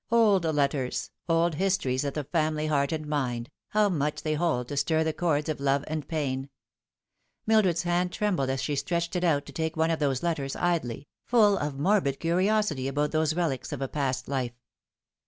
Old letters, old histories of the family heart and mind, how much they hold to stir the chords of love and pain ! Mildred's hand trembled as she stretched it out to take one of those letters, idly, full of morbid curiosity about those relics of a past life.